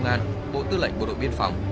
từ bộ công an bộ tư lệnh bộ đội biên phòng